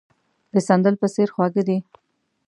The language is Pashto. د سندل په څېر خواږه دي.